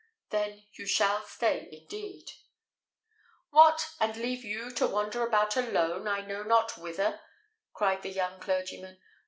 "Then you shall stay indeed." "What! and leave you to wander about alone, I know not whither?" cried the young clergyman.